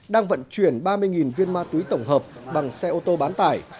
đang vận chuyển ba mươi viên ma túy tổng hợp bằng xe ô tô bán tải